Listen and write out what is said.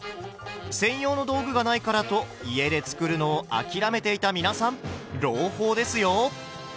専用の道具がないからと家で作るのを諦めていた皆さん朗報ですよ！